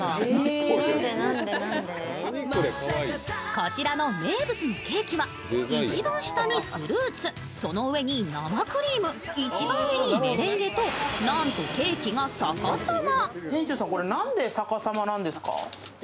こちらの名物のケーキは、一番下にフルーツ、その上に生クリーム、一番上にメレンゲと、なんとケーキが逆さま。